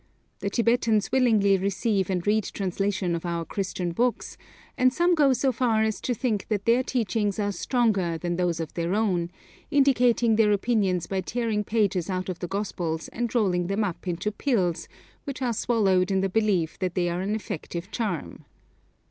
The Tibetans willingly receive and read translations of our Christian books, and some go so far as to think that their teachings are 'stronger' than those of their own, indicating their opinions by tearing pages out of the Gospels and rolling them up into pills, which are swallowed in the belief that they are an effective charm.